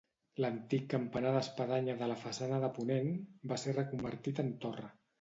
L'antic campanar d'espadanya de la façana de ponent va ser reconvertit en torre.